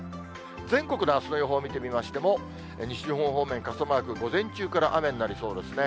全国のあすの予報を見てみましても、西日本方面、傘マーク、午前中から雨になりそうですね。